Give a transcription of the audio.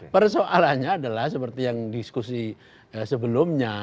persoalannya adalah seperti yang diskusi sebelumnya